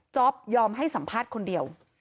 ยอมให้สัมภาษณ์คนเดียว